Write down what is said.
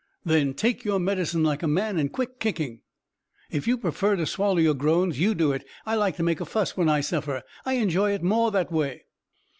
"Then take your medicine like a man, and quit kicking." "If you prefer to swallow your groans, you do it. I like to make a fuss when I suffer. I enjoy it more that way."